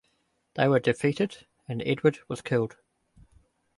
They were defeated and Edward was killed.